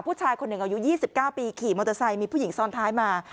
ผู้ชายคนหนึ่งอายุ๒๙ปีขี่มอเตอร์ไซค์มีผู้หญิงซ้อนท้ายมา